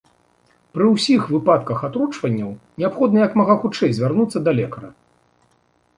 Пры ўсіх выпадках атручванняў неабходна як мага хутчэй звярнуцца да лекара.